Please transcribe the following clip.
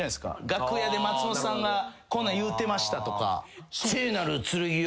楽屋で松本さんがこんなん言うてましたとか。